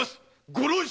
ご老中！